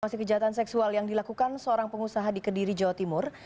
masih kejahatan seksual yang dilakukan seorang pengusaha di kediri jawa timur